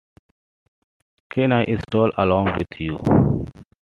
Can I stroll along with you?